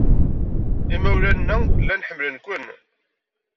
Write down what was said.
Imawlan-nneɣ llan ḥemmlen-ken.